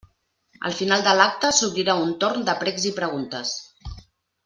Al final de l'acte s'obrirà un torn de precs i preguntes.